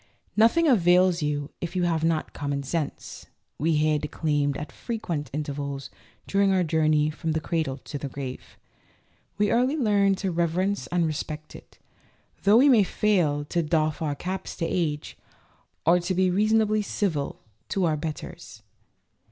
"Nothing avails you if you have not common sense," we hear declaimed at frequent intervals during our journey from the cradle to the grave. We early learn to reverence and respect it, though we may fail to doff our caps to age, or to be reason ably civil to our betters.